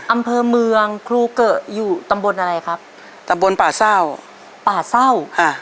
อำเภอเมืองครูเกอะอยู่ตำบลอะไรครับตำบลป่าเศร้าป่าเศร้าอ่า